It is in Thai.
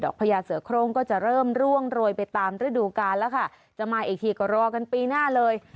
พญาเสือโครงก็จะเริ่มร่วงโรยไปตามฤดูกาลแล้วค่ะจะมาอีกทีก็รอกันปีหน้าเลย